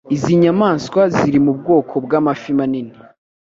Izi nyamaswa ziri mu bwoko bw'amafi manini;